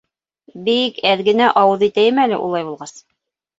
— Би-ик әҙ генә ауыҙ итәйем әле, улай булғас.